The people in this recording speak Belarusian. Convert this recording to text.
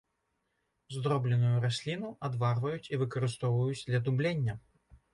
Здробненую расліну адварваюць і выкарыстоўваюць для дублення.